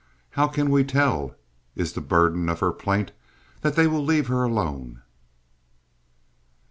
"How can we tell," is the burden of her plaint, "that they will leave her alone?"